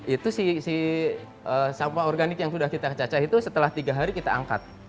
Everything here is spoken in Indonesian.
itu si sampah organik yang sudah kita cacah itu setelah tiga hari kita angkat